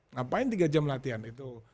ngapain tiga jam latihan itu